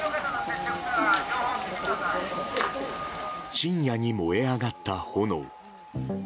深夜に燃え上がった炎。